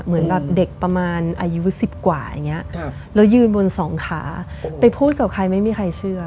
เหมือนแบบเด็กประมาณอายุ๑๐กว่าอย่างนี้แล้วยืนบนสองขาไปพูดกับใครไม่มีใครเชื่อ